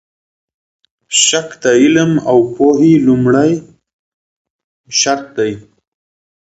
شک د علم او پوهې لومړی شرط دی.